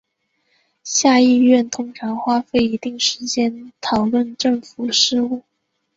下议院通常花费一定时间讨论政府事务。